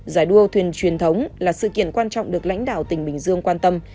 giải đua thuyền truyền thống là sự kiện quan trọng được lãnh đạo tỉnh bình dương quan tâm